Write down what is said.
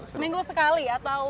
seminggu sekali atau